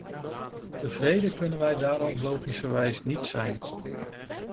Tevreden kunnen we daarom logischerwijs niet zijn.